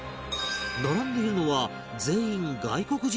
並んでいるのは全員外国人観光客